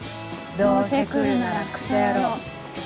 どうせ来るならクソ野郎。